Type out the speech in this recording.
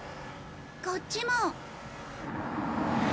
こっちも。